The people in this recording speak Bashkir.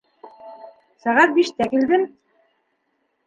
— Сәғәт биштә килдем.